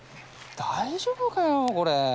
大丈夫かよこれ。